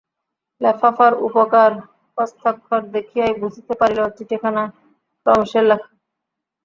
লেফাফার উপরকার হস্তাক্ষর দেখিয়াই বুঝিতে পারিল, চিঠিখানা রমেশের লেখা।